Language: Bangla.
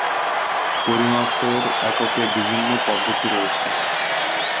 পরিমাপের এককের বিভিন্ন পদ্ধতি রয়েছে।